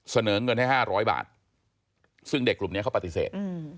เสนอเงินให้๕๐๐บาทซึ่งเด็กกลุ่มนี้เขาปฏิเสธ